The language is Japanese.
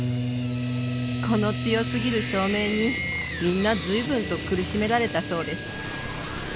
この強すぎる照明にみんな随分と苦しめられたそうです